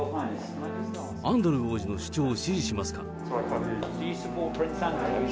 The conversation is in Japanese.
アンドルー王子の主張を支持しますか？